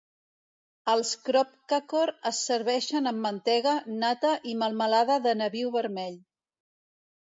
Els Kroppkakor es serveixen amb mantega, nata i melmelada de nabiu vermell.